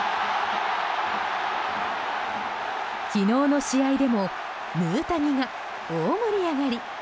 昨日の試合でもヌータニが大盛り上がり。